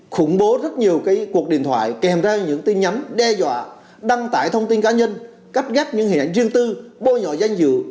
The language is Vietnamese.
khủng bố rất nhiều cuộc điện thoại kèm ra những tin nhắn đe dọa đăng tải thông tin cá nhân cắt ghép những hình ảnh riêng tư bôi nhọ danh dự